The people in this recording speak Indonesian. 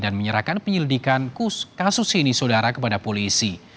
dan menyerahkan penyelidikan kasus ini sodara kepada polisi